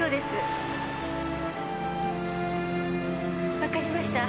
わかりました。